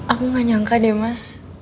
aku gak nyangka deh mas